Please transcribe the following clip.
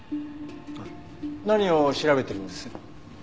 何を調べてるんです？